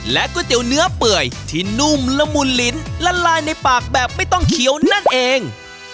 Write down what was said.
ก๋วยเตี๋ยวเนื้อเปื่อยที่นุ่มละมุนลิ้นละลายในปากแบบไม่ต้องเขียวนั่นเอง